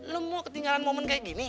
lo mau ketinggalan momen kayak gini